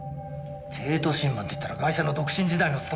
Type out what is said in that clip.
帝都新聞っていったらガイ者の独身時代の勤め先だろ。